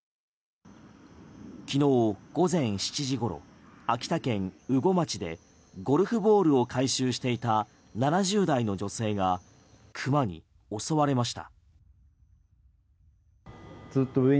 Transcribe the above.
昨日午前７時ごろ秋田県羽後町でゴルフボールを回収していた７０代の女性がクマに襲われました。